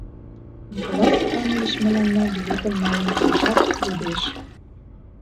Николай Степанович мыланна билетым налын пуышат, йодеш: